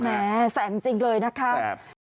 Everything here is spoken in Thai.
แหมแสนจริงเลยนะคะ